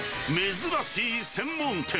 珍しい専門店。